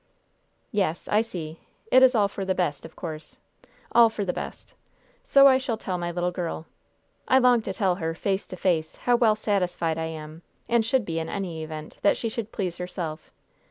"Yes, I see. It is all for the best, of course. All for the best. So I shall tell my little girl. I long to tell her, face to face, how well satisfied I am, and should be in any event, that she should please herself.